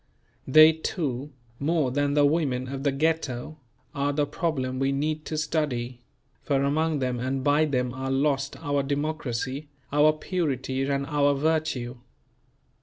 They too, more than the women of the Ghetto, are the problem we need to study; for among them and by them are lost our democracy, our purity and our virtue.